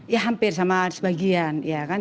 ya hampir sama sebagian